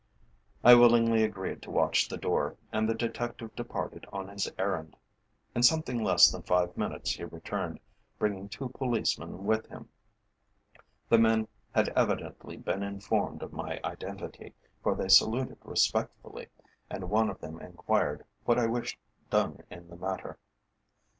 I willingly agreed to watch the door, and the detective departed on his errand. In something less than five minutes he returned, bringing two policemen with him. The men had evidently been informed of my identity, for they saluted respectfully, and one of them enquired what I wished done in the matter.